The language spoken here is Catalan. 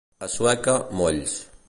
A Sueca, molls.